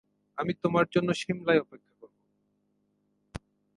আমি তোমার জন্য সিমলায় অপেক্ষা করব।